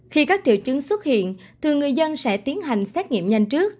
khi các triệu chứng xuất hiện thì người dân sẽ tiến hành xét nghiệm nhanh trước